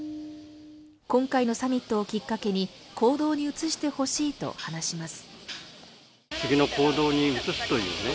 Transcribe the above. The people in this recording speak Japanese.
今回のサミットをきっかけに行動に移してほしいと話します。